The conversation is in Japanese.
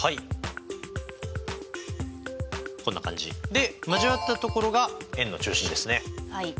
で交わったところが円の中心ですね。